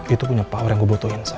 itu punya power yang gue butuhin saya